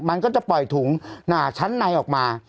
มันก็จะปล่อยถุงชั้นในออกมา